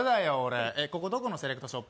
ここ、どこのセレクトショップ？